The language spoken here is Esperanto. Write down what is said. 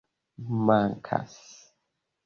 mankas